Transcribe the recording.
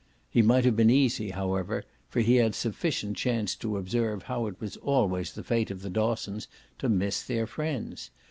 He might have been easy, however, for he had sufficient chance to observe how it was always the fate of the Dossons to miss their friends.